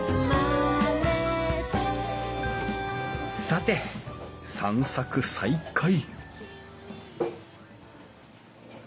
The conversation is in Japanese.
さて散策再開